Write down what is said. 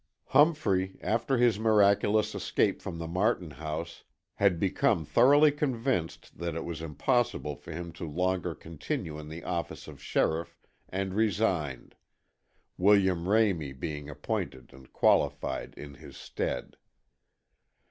Humphrey, after his miraculous escape from the Martin house, had become thoroughly convinced that it was impossible for him to longer continue in the office of sheriff and resigned, William Ramey being appointed and qualified in his stead.